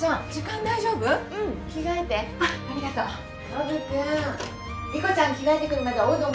ノブ君莉湖ちゃん着替えてくるまでおうどん